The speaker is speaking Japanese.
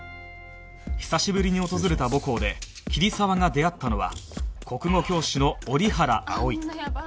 久しぶりに訪れた母校で桐沢が出会ったのは国語教師の折原葵